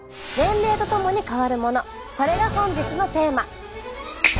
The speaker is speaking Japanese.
それが本日のテーマ！